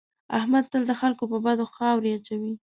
احمد تل د خلکو په بدو خاورې اچوي.